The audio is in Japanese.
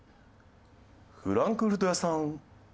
フランクフルト屋さん